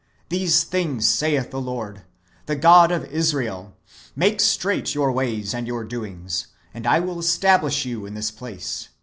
These things saith the Lord, the God of Israel, Make straight your ways and your doings, and I will establish you in this place.